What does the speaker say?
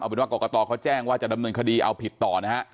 เป็นว่ากรกตเขาแจ้งว่าจะดำเนินคดีเอาผิดต่อนะฮะ